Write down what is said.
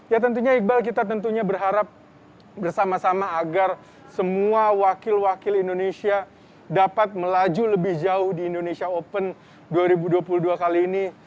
ya tentunya iqbal kita tentunya berharap bersama sama agar semua wakil wakil indonesia dapat melaju lebih jauh di indonesia open dua ribu dua puluh dua kali ini